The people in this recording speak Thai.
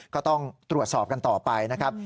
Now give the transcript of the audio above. ก็ต้องตรวจสอบกันต่อไปนะครับ